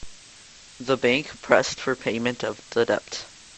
The bank pressed for payment of the debt.